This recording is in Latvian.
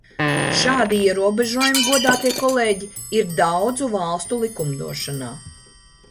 Šādi ierobežojumi, godātie kolēģi, ir daudzu valstu likumdošanā.